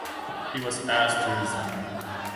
He was asked to resign.